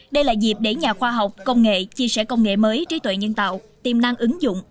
đây là dịp để nhà khoa học công nghệ chia sẻ công nghệ mới trí tuệ nhân tạo tiềm năng ứng dụng